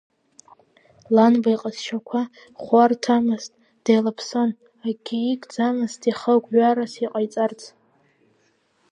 Ланба иҟазшьақәа хәарҭамызт, деилаԥсон, акгьы игӡамызт ихы гәҩарас иҟаиҵарц.